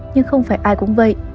nhưng không phải ai cũng vậy